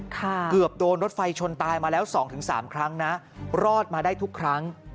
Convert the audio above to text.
เกือบโดนรถไฟชนตายมาแล้ว๒๓ครั้งนะรอดมาได้ทุกครั้ง